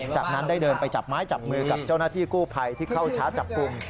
จากนั้นได้เดินไปจับไม้จับมือกับเจ้าหน้าที่กู้ภัยที่เข้าชาร์จจับกลุ่ม